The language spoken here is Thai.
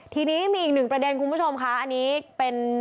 ทีนี้มีอีกหนึ่งประเด็นคุณผู้ชมค่ะอันนี้เป็น